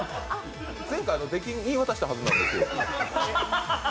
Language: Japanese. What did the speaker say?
前回、出禁を言い渡したはずなんですよ。